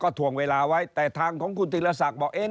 ก็ถวงเวลาไว้แต่ทางของครูนิสักเหล่าว่าง